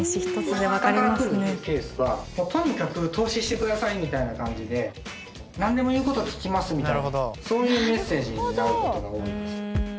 下からくるっていうケースはとにかく投資してくださいみたいな感じでなんでも言う事聞きますみたいなそういうメッセージになる事が多いです。